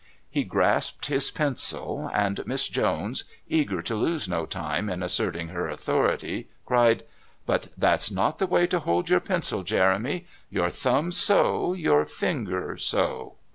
He grasped his pencil, and Miss Jones, eager to lose no time in asserting her authority, cried: "But that's not the way to hold your pencil, Jeremy, your thumb so, your finger so."